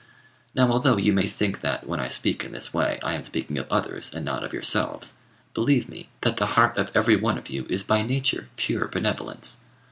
Now although you may think that, when I speak in this way, I am speaking of others, and not of yourselves, believe me that the heart of every one of you is by nature pure benevolence.